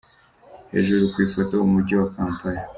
Hejuru ku ifoto: Umujyi wa Kampala.